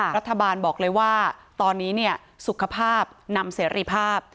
รัฐบาลบอกเลยว่าตอนนี้สุขภาพนำเสรีภาพ